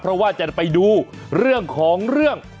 เพราะว่าจะไปดูเรื่องของเรื่อง